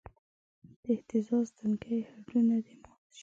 د اهتزاز تنکي هډونه دې مات شوی